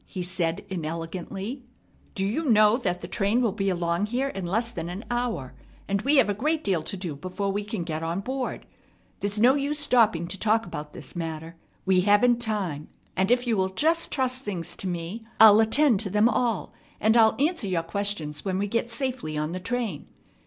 he said inelegantly. "Do you know that the train will be along here in less than an hour, and we have a great deal to do before we can get on board? There's no use stopping to talk about this matter. We haven't time. If you will just trust things to me, I'll attend to them all, and I'll answer your questions when we get safely on the train.